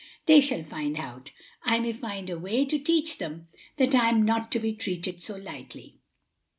They shall find out. I may find a way to teach them that I am not to be treated so lightly."